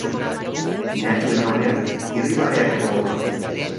Mehatxuen aurrean, irribarreak eta botoak.